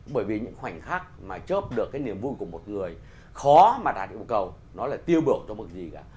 bởi vì những khoảnh khắc mà chớp được cái niềm vui của một người khó mà đạt được mục cầu nó lại tiêu biểu cho một gì cả